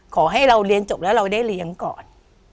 ขอให้เราเรียนจบแล้วเราได้เลี้ยงก่อน